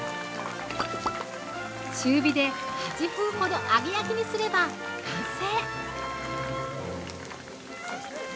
中火で８分ほど揚げ焼きにすれば完成。